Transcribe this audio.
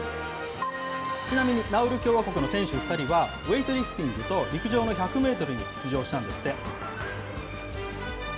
ちなみにナウル共和国の選手２人は、ウエイトリフティングと陸上の１００メートルに出場したんですって。